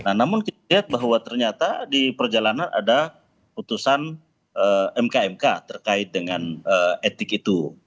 nah namun kita lihat bahwa ternyata di perjalanan ada putusan mk mk terkait dengan etik itu